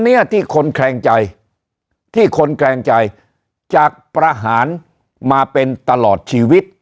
เนี้ยที่คนแคลงใจที่คนแคลงใจจากประหารมาเป็นตลอดชีวิต